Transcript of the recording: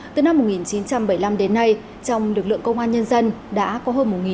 từ năm một nghìn chín trăm bảy mươi năm đến nay trong lực lượng công an nhân dân đã có hơn